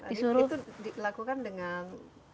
itu dilakukan dengan